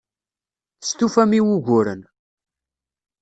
Testufam i wuguren.